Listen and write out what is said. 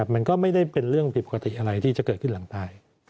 มันก็ไม่ได้เป็นเรื่องผิดปกติอะไรที่จะเกิดขึ้นหลังตาย